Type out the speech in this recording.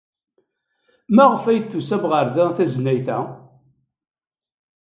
Maɣef ay d-tusam ɣer da tanezzayt-a?